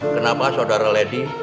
kenapa saudara lady